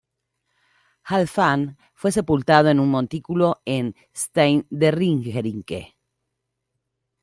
Halfdan fue sepultado en un montículo en Stein de Ringerike.